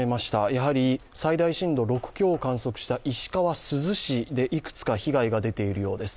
やはり最大震度６強を観測した石川・珠洲市でいくつか被害が出ているようです。